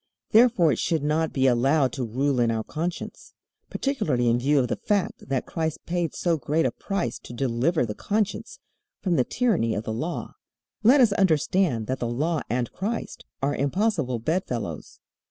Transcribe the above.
Therefore it should not be allowed to rule in our conscience, particularly in view of the fact that Christ paid so great a price to deliver the conscience from the tyranny of the Law. Let us understand that the Law and Christ are impossible bedfellows.